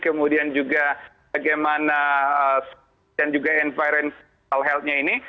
kemudian juga bagaimana dan juga environment hal halnya ini